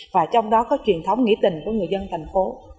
và trong đó có truyền thống nghĩa tình của người dân thành phố